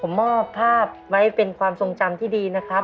ผมมอบภาพไว้เป็นความทรงจำที่ดีนะครับ